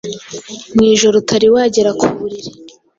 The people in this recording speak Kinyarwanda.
mu ijoro utari wagera ku buriri.